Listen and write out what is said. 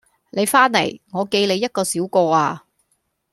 你翻嚟我記你一個小過呀